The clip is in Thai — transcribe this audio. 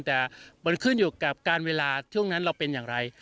แต่มันขึ้นอยู่กับการเวลาช่วงนั้นเราเป็นอย่างไร